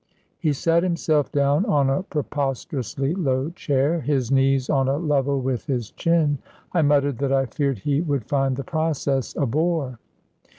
He sat himself down on a preposterously low chair, his knees on a level with his chin. I muttered that I feared he would find the process a bore.